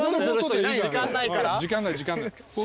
時間ない時間ない。